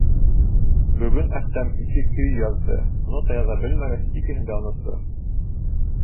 Бөгөн Әхтәм ике көй яҙҙы, нота яҙа белмәгәс, икеһен дә онотто.